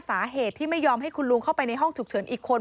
สาเหตุที่ไม่ยอมให้คุณลุงเข้าไปในห้องฉุกเฉินอีกคน